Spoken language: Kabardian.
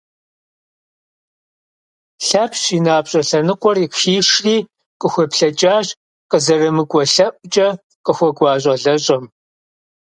Лъэпщ и напщӏэ лъэныкъуэр хишри, къыхуеплъэкӏащ къызэрымыкӏуэ лъэӏукӏэ къыхуэкӏуа щӏалэщӏэм.